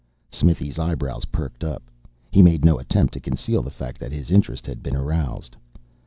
Smithy's eyebrows perked up. He made no attempt to conceal the fact that his interest had been aroused.